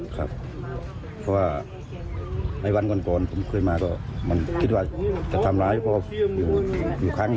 ครับเพราะว่าในวันก่อนผมเคยมาก็มันคิดว่าจะทำร้ายพ่ออยู่ครั้งหนึ่ง